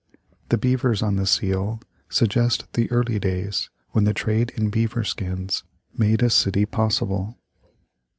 The beavers on the seal suggest the early days when the trade in beaver skins made a city possible.